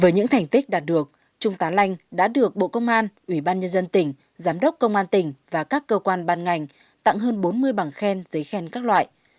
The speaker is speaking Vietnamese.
với những thành tích đạt được trung tá lanh đã được bộ công an ủy ban nhân dân tỉnh giám đốc công an tỉnh và các cơ quan ban ngành tặng hơn bốn mươi bằng khen giấy khen các loại